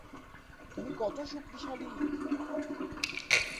তুমি কত শক্তিশালী!